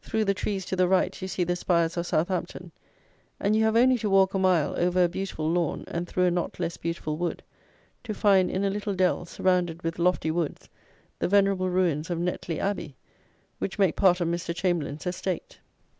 Through the trees, to the right, you see the spires of Southampton, and you have only to walk a mile, over a beautiful lawn and through a not less beautiful wood, to find, in a little dell, surrounded with lofty woods, the venerable ruins of Netley Abbey, which make part of Mr. Chamberlayne's estate.